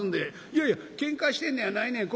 「いやいやけんかしてんのやないねん。